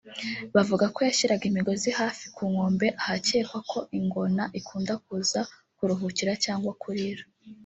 bavuga ko yashyiraga imigozi hafi ku nkombe ahakekwa ko ingona ikunda kuza kuruhukira cyangwa kurira